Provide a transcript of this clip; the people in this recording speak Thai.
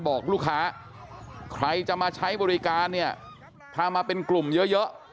บอกลูกค้าใครจะมาใช้บริการเนี่ยพามาเป็นกลุ่มเยอะ